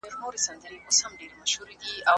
زده کړه بايد عامه سي.